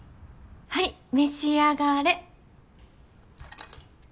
はい召し上がれ。